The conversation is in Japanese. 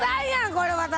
これ私。